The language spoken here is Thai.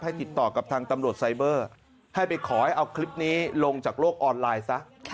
ติดต่อกับทางตำรวจไซเบอร์ให้ไปขอให้เอาคลิปนี้ลงจากโลกออนไลน์ซะ